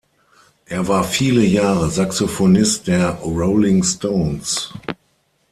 Er war viele Jahre Saxophonist der Rolling Stones.